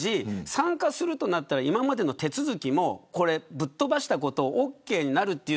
参加するとなったら今までの手続きもぶっ飛ばしたことがオーケーになる。